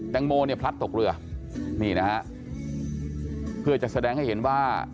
แตงโมเนี่ยพลัดตกเรือนี่นะฮะเพื่อจะแสดงให้เห็นว่า